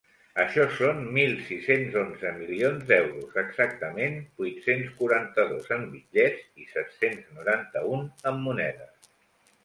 Això són mil sis-cents onze milions d’euros, exactament vuit-cents quaranta-dos en bitllets i set-cents noranta-un en monedes.